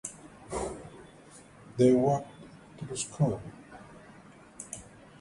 Two of those game-winning goals were scored in overtime.